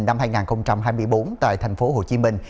năm hai nghìn hai mươi bốn tại thành phố hồ chí minh